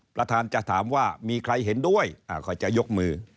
ประธานจะถามว่ามีใครเห็นด้วยก็จะยกมือ